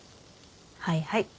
はいはい。